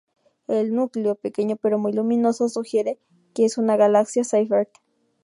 El núcleo, pequeño pero muy luminoso, sugiere que es una galaxia Seyfert.